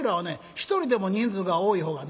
一人でも人数が多い方がね